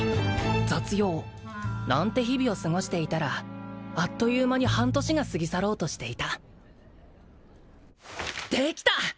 雑用なんて日々を過ごしていたらあっという間に半年が過ぎ去ろうとしていたできた！